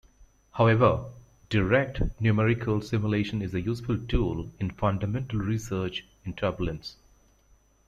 However, direct numerical simulation is a useful tool in fundamental research in turbulence.